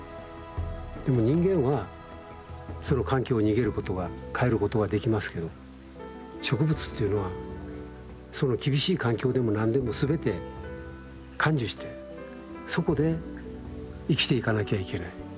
でも人間はその環境逃げることは変えることはできますけど植物っていうのはその厳しい環境でも何でも全て甘受してそこで生きていかなきゃいけない。